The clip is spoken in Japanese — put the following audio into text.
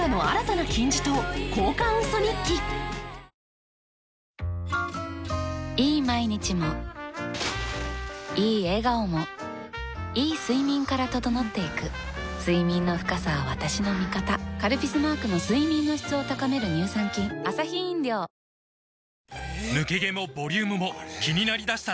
わかるぞいい毎日もいい笑顔もいい睡眠から整っていく睡眠の深さは私の味方「カルピス」マークの睡眠の質を高める乳酸菌よしこい！